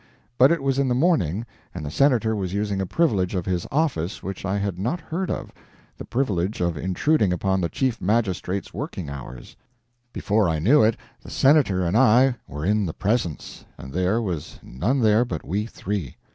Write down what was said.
But it was in the morning, and the Senator was using a privilege of his office which I had not heard of the privilege of intruding upon the Chief Magistrate's working hours. Before I knew it, the Senator and I were in the presence, and there was none there but we three.